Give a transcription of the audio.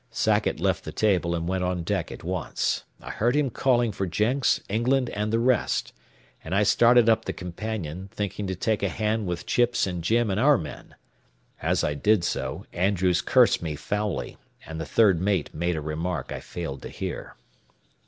Sackett left the table and went on deck at once. I heard him calling for Jenks, England, and the rest, and I started up the companion, thinking to take a hand with Chips and Jim and our men. As I did so, Andrews cursed me foully, and the third mate made a remark I failed to hear.